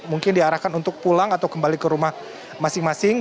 mungkin diarahkan untuk pulang atau kembali ke rumah masing masing